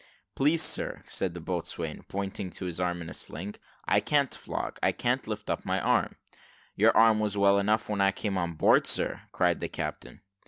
"Please, sir," said the boatswain, pointing to his arm in a sling, "I can't flog I can't lift up my arm." "Your arm was well enough when I came on board, sir," cried the captain.